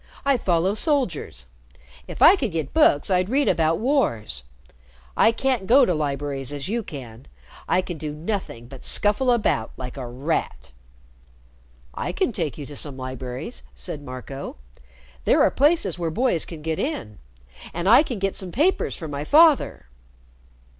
I follow soldiers. If I could get books, I'd read about wars. I can't go to libraries as you can. I can do nothing but scuffle about like a rat." "I can take you to some libraries," said Marco. "There are places where boys can get in. And I can get some papers from my father."